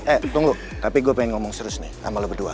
eh tunggu tapi gue pengen ngomong serius nih sama lo berdua